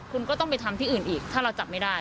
คุณก็ต้องไปทำที่อื่นอีกถ้าเราจับไม่ได้